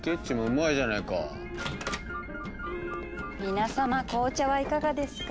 皆さま紅茶はいかがですか。